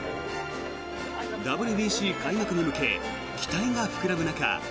ＷＢＣ開幕に向け期待が膨らむ中